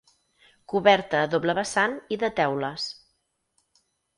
Coberta a doble vessant i de teules.